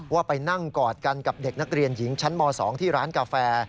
ว่าไปนั่งกอดกันกับเด็กนักเรียนหญิงชั้นม๒ที่ร้านกาแฟ